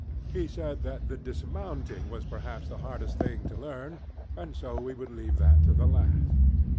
He said that the dismounting was perhaps the hardest thing to learn, and so we would leave that to the last.